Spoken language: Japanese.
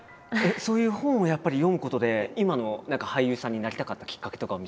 そういう本をやっぱり読むことで今の俳優さんになりたかったきっかけとかを見つけたんですか？